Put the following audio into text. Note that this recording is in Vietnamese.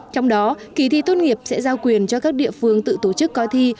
trong đó kỳ thi tốt nghiệp sẽ giao quyền cho các địa phương tự tổ chức coi thi